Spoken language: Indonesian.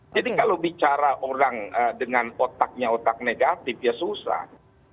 jadi kalau bicara orang dengan otaknya otak negatif ya susah